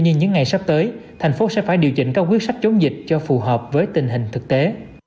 như những ngày sắp tới thành phố sẽ phải điều chỉnh các quyết sách chống dịch cho phù hợp với tình hình thực tế